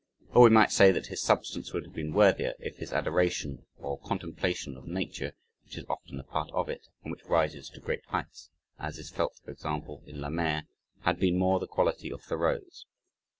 Or we might say that his substance would have been worthier, if his adoration or contemplation of Nature, which is often a part of it, and which rises to great heights, as is felt for example, in La Mer, had been more the quality of Thoreau's.